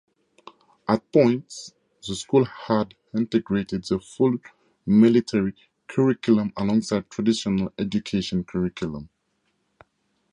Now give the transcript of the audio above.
At points the school had integrated the full military curriculum alongside traditional education curriculum.